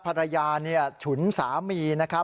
ภรรยาฉุนสามีนะครับ